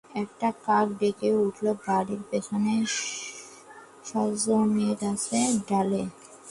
একটা কাক ডেকে উঠল বাড়ির পেছনের শজনেগাছের ডালে।